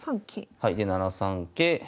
はいで７三桂。